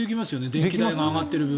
電気代が上がってる分。